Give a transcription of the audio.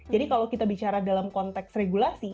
jadi kalau kita bicara dalam konteks regulasi